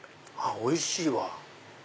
おいしいわ！